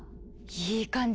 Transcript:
いい感じ！